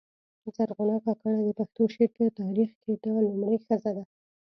زرغونه کاکړه د پښتو شعر په تاریخ کښي دا لومړۍ ښځه ده.